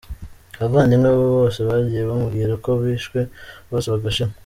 Abavandimwe bo bose bagiye bamubwira uko bishwe bose bagashira.